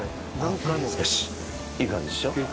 よしっ、いい感じでしょう？